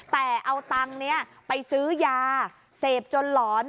แต่เอาตังค์นี้ไปซื้อยาเสพจนหลอน